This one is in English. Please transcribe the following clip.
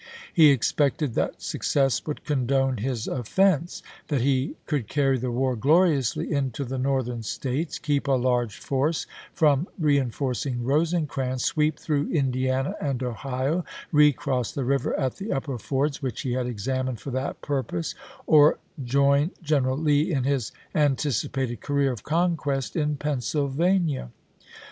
He expected that success would condone his offense; that he could carry the war gloriously into the Northern States, keep a large force from reenforcing Rose crans, sweep through Indiana and Ohio, recross the river at the upper fords, which he had examined for that purpose, or join General Lee in his antici pated career of conquest in Pennsylvania.